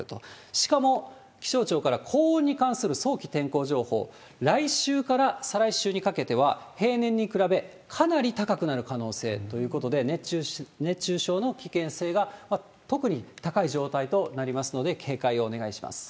しかも、気象庁から、高温に関する早期天候情報、来週から再来週にかけては、平年に比べ、かなり高くなる可能性ということで、熱中症の危険性が特に高い状態となりますので、警戒をお願いします。